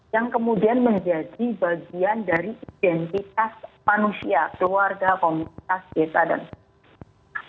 yang kemudian menjadi bagian dari identitas manusia keluarga komunitas desa dan sebagainya